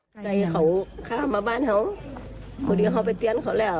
ใจเขาข้ามมาบ้านเขาพอดีเขาไปเตือนเขาแล้ว